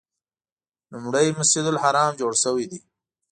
لومړی مسجد الحرام جوړ شوی دی.